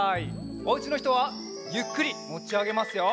おうちのひとはゆっくりもちあげますよ。